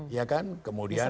iya kan kemudian